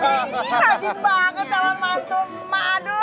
rajin banget salman mantu ma aduh